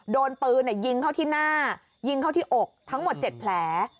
โดนปืนยิงเข้าที่หน้ายิงเข้าที่อกทั้งหมด๗แผล